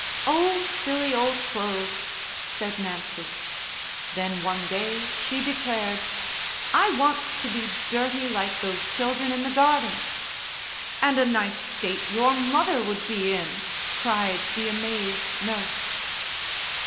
"Oh, silly old clothes!" said Nancy. Then one day she declared, "I want to be dirty like those children in the garden." "And a nice state your mother would be in!" cried the amazed nurse.